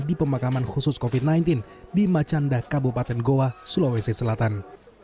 di pemakaman khusus covid sembilan belas di macanda kabupaten goa sulawesi selatan